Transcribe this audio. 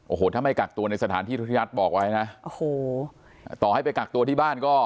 โอ้โหถ้าไม่กักตัวในสถานที่รัฐบอกไว้นะโอ้โหต่อให้ไปกักตัวที่บ้านก็